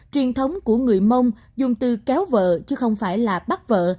truyền thống của người mông dùng từ kéo vợ chứ không phải là bắt vợ